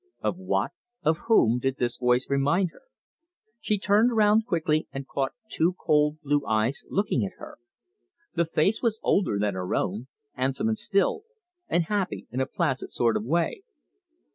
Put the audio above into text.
Of what, of whom, did this voice remind her? She turned round quickly and caught two cold blue eyes looking at her. The face was older than her own, handsome and still, and happy in a placid sort of way.